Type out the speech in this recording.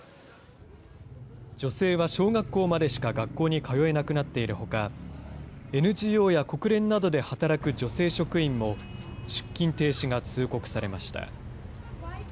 女性は小学校までしか学校に通えなくなっているほか、ＮＧＯや国連などで働く女性職員も、出勤停止が通告されました。